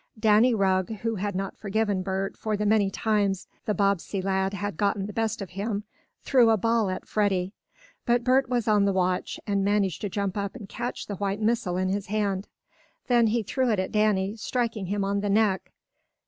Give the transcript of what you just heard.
Danny Rugg, who had not forgiven Bert for the many times the Bobbsey lad had gotten the best of him, threw a ball at Freddie. But Bert was on the watch, and managed to jump up and catch the white missile in his hand. Then he threw it at Danny, striking him on the neck.